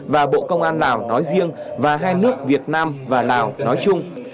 và bộ công an lào nói riêng và hai nước việt nam và lào nói chung